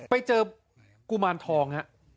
ไปเจอกุมารทองครับ